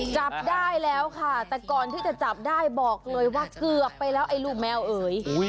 จับได้แล้วค่ะแต่ก่อนที่จะจับได้บอกเลยว่าเกือบไปแล้วไอ้ลูกแมวเอ๋ย